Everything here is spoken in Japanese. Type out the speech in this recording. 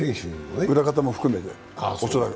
裏方も含めて、恐らく。